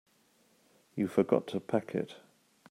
You forgot to pack it.